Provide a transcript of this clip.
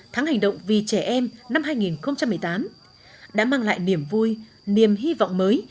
tháng hành động vì trẻ em năm hai nghìn một mươi tám đã mang lại niềm vui niềm hy vọng mới